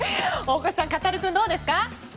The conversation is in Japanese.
大越さん、カタルくんどうですか。